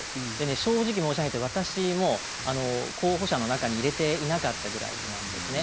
正直申し上げて私も候補者の中に入れていなかったぐらいなんですね。